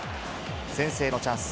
先制のチャンス。